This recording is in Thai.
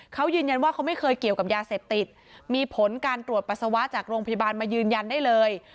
เขายืนยันว่าเขาไม่เคยเกี่ยวกับยาเสพติดมีผลการตรวจปัสสาวะจากโรงพยาบาลมายืนยันได้เลย